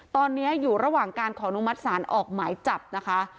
ตอนนี้อยู่ระหว่างการขอนุมัติศาลออกหมายจับนะคะ